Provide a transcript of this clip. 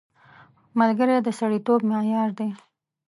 ملګری د سړیتوب معیار دی